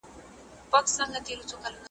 په سپینه ورځ درته راځم د دیدن غل نه یمه ,